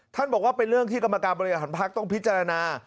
บอกว่าเป็นเรื่องที่กรรมการบริหารภักดิ์ต้องพิจารณา